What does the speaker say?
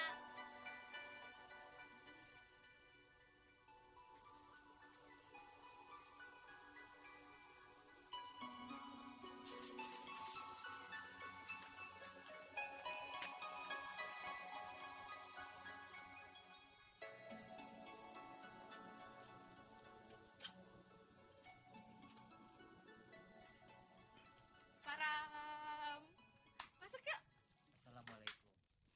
hai para masaknya assalamualaikum